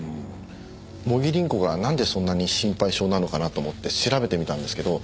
茂木凛子がなんでそんなに心配性なのかなと思って調べてみたんですけど。